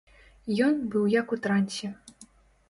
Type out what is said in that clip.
Ён быў як у трансе.